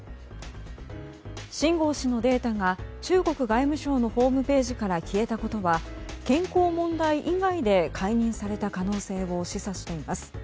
シン・ゴウ氏のデータが中国外務省のホームページから消えたことは、健康問題以外で解任された可能性を示唆しています。